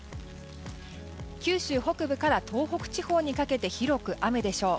九州北部から東北地方にかけて広く雨でしょう。